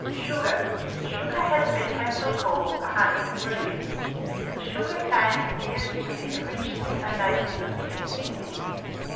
] SUGAR has been happily called "the honey of reeds." The sugar cane appears to be originally a native of the East Indies.